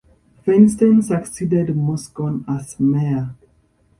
Feinstein succeeded Moscone as mayor.